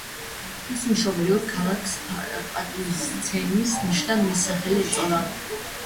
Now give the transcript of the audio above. მის მშობლიურ ქალაქს პატივისცემის ნიშნად მისი სახელი ეწოდა.